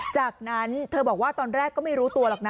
จากนั้นเธอบอกว่าตอนแรกก็ไม่รู้ตัวหรอกนะ